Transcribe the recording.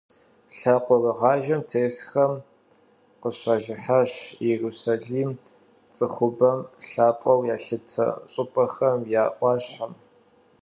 Лъакъуэрыгъажэм тесхэм къыщажыхьащ Иерусалим - цӏыхубэм лъапӏэу ялъытэ щӏыпӏэхэм я ӏуащхьэм.